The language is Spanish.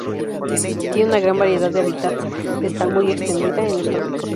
Tiene una gran variedad de hábitats, está muy extendida en los trópicos.